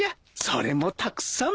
それもたくさん。